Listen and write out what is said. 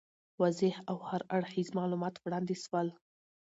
واضح او هر اړخیز معلومات وړاندي سول.